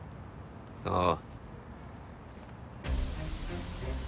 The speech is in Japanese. ああ。